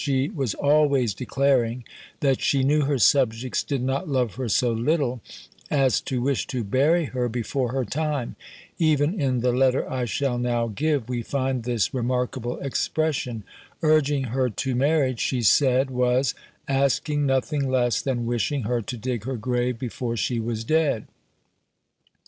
She was always declaring, that she knew her subjects did not love her so little, as to wish to bury her before her time; even in the letter I shall now give, we find this remarkable expression: urging her to marriage, she said, was "asking nothing less than wishing her to dig her grave before she was dead."